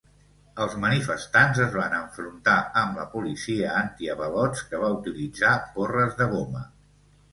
Els manifestants es van enfrontar amb la policia antiavalots que va utilitzar porres de goma.